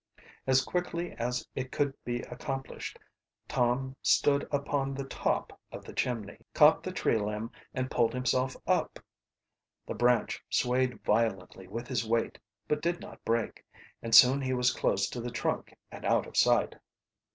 As quickly as it could be accomplished, Tom stood upon the top of the chimney, caught the tree limb and pulled himself up. The branch swayed violently with his weight, but did not break, and soon he was close to the trunk and out of sight.